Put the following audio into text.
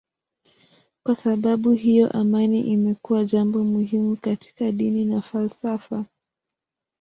Kwa sababu hiyo amani imekuwa jambo muhimu katika dini na falsafa.